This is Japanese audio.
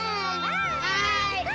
はい！